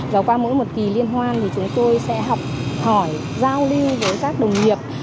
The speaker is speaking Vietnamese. và qua mỗi một kỳ liên hoan thì chúng tôi sẽ học hỏi giao lưu với các đồng nghiệp